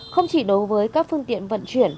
không chỉ đối với các phương tiện vận chuyển